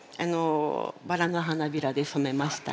バラの花びらで染めました。